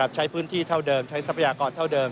ใช้พื้นที่เท่าเดิมใช้ทรัพยากรเท่าเดิม